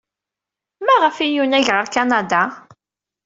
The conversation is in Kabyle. Maɣef ay yunag ɣer Kanada?